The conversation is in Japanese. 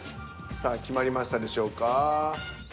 さあ決まりましたでしょうか。